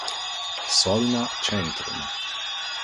Solna centrum